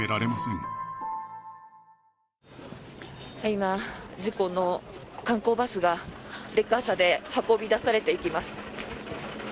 今、事故の観光バスがレッカー車で運び出されていきます。